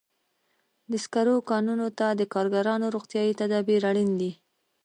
د سکرو کانونو ته د کارګرانو روغتیايي تدابیر اړین دي.